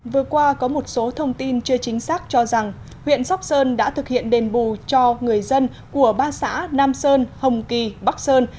vừa qua có một số thông tin chưa chính xác cho rằng huyện sóc sơn đã thực hiện đền bù cho người dân của ba xã nam sơn hồng kỳ bắc sơn